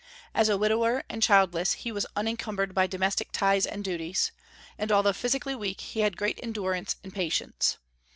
As a widower and childless, he was unincumbered by domestic ties and duties; and although physically weak, he had great endurance and patience.